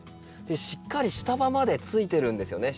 しっかり下葉までついてるんですよね